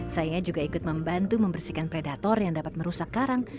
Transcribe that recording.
saya juga ikut membantu membersihkan predator yang dapat merusakkan